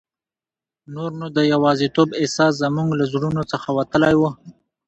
نور نو د یوازیتوب احساس زموږ له زړونو څخه وتلی وو.